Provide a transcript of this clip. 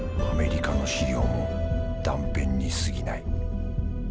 アメリカの資料も断片にすぎない。